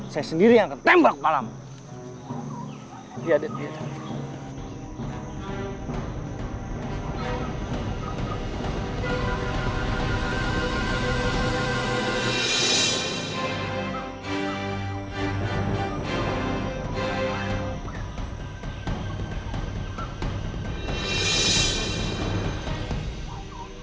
saya sendiri yang akan tembak kepalamu